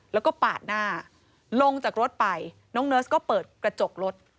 แล้วก็ปาดหน้าลงจากรถไปน้องเนิร์สก็เปิดกระจกรถ